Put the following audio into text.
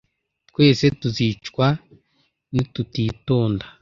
Twese tuzicwa nitutitonda.